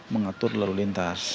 mengatur lalu lintas